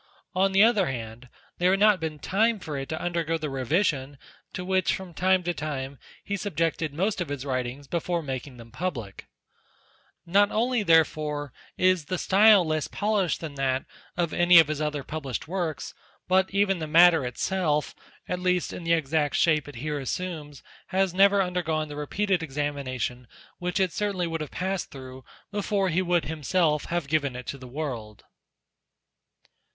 On the other hand, there had not been time for it to undergo the revision to which from time to time he subjected most of his writings before making them public. Not only INTRODUCTORY NOTICE XI therefore is the style less polished than that of any other of his published works, but even the matter itself, at least in the exact shape it here assumes, has never undergone the repeated examination which it certainly would have passed through before he would himself have given it to the world.